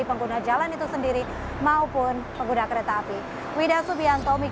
pengguna jalan itu sendiri maupun pengguna kereta api